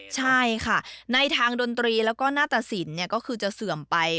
ใช่ค่ะในทางดนตรีแล้วก็หน้าตะสินก็คือจะเสื่อมไป